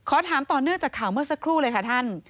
ถามต่อเนื่องจากข่าวเมื่อสักครู่เลยค่ะท่าน